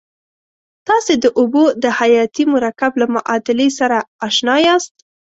تاسې د اوبو د حیاتي مرکب له معادلې سره آشنا یاست.